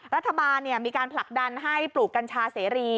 รัฐบาลมีการผลักดันให้ปลูกกัญชาเสรี